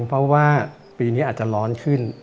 เพราะว่าปีนี้อาจจะร้อนขึ้น